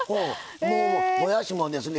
もうもやしもですね